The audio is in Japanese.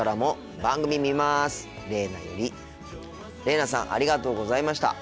れいなさんありがとうございました。